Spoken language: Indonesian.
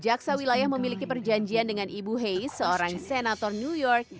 jaksa wilayah memiliki perjanjian dengan ibu hay seorang senator new york